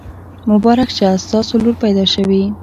مبارک شه! ستاسو لور پیدا شوي.